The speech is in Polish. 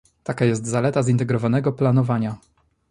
Taka jest zaleta zintegrowanego planowania